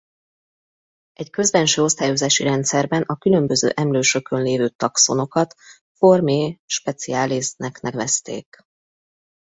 Egy közbenső osztályozási rendszerben a különböző emlősökön lévő taxonokat formae speciales-nek nevezték.